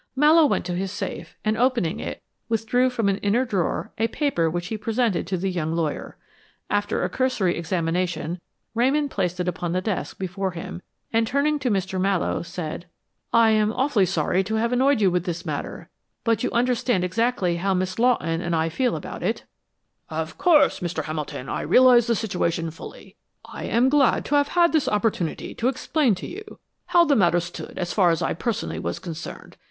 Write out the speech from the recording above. Mallowe went to his safe, and opening it, withdrew from an inner drawer a paper which he presented to the young lawyer. After a cursory examination Ramon placed it upon the desk before him, and turning to Mr. Mallowe said: "I am awfully sorry to have annoyed you with this matter, but you understand exactly how Miss Lawton and I feel about it " "Of course, Mr. Hamilton, I realize the situation fully. I am glad to have had this opportunity to explain to you how the matter stood as far as I personally was concerned.